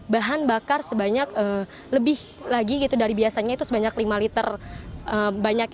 bahan bakar sebanyak lebih lagi dari biasanya itu sebanyak lima liter banyak